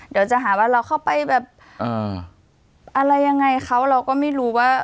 เดี๋ยวจะหาว่าเราเข้าไปแบบอะไรยังไงเขาเราก็ไม่รู้ว่า